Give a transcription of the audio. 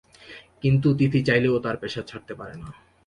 কিন্তু তিথি চাইলেও তার পেশা ছাড়তে পারে না।